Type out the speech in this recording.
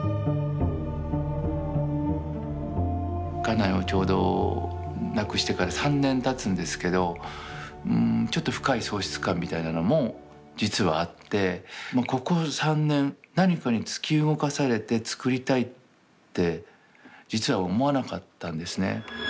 家内をちょうど亡くしてから３年たつんですけどうんちょっと深い喪失感みたいなのも実はあってここ３年何かに突き動かされて作りたいって実は思わなかったんですね。